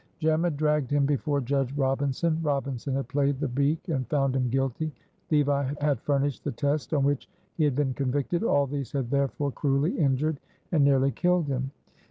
Jem had dragged him before Judge Robinson; Robinson had played the beak and found him guilty; Levi had furnished the test on which he had been convicted. All these had therefore cruelly injured and nearly killed him.